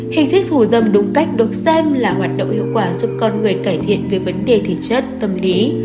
hình thức thù dâm đúng cách được xem là hoạt động hiệu quả giúp con người cải thiện về vấn đề thị chất tâm lý